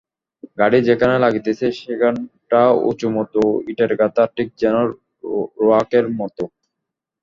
গাড়ি যেখানে লাগিতেছে সেখানটা উঁচুমতো ইটের গাথা, ঠিক যেন রোয়াকের মতো।